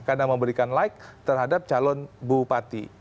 karena memberikan like terhadap calon bupati